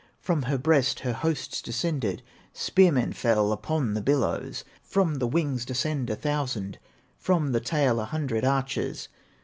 From her breast her hosts descended, Spearmen fell upon the billows, From the wings descend a thousand, From the tail, a hundred archers.